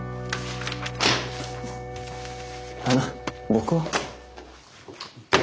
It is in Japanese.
あの僕は？